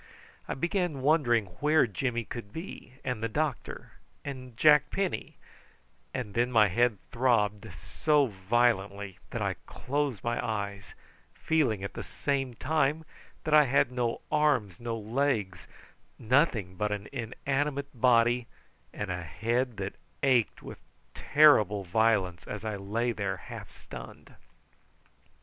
I began wondering where Jimmy could be, and the doctor, and Jack Penny, and then my head throbbed so violently that I closed my eyes, feeling at the same time that I had no arms, no legs, nothing but an inanimate body, and a head that ached with terrible violence as I lay there half stunned.